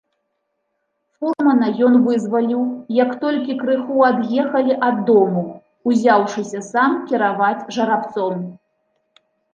Фурмана ён вызваліў, як толькі крыху ад'ехалі ад дому, узяўшыся сам кіраваць жарабцом.